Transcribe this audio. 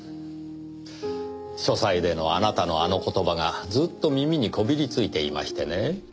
書斎でのあなたのあの言葉がずっと耳にこびりついていましてね。